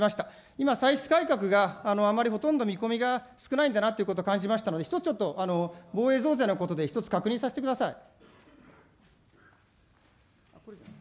今、歳出改革があまりほとんど見込みが少ないんだなということを感じましたので、一つちょっと防衛増税のことで一つ確認させてください。